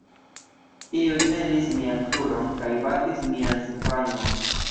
Iu tenis mian kruron kaj batis mian sidvangon.